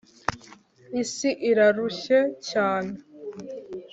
isi irarushye cyane